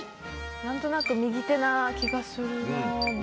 何となく右手な気がするのでＢ。